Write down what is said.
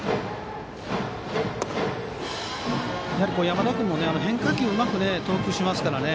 山田君も変化球をうまく投球しますからね。